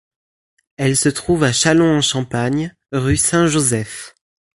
Elle se trouve à Châlons-en-Champagne rue Saint-Joseph.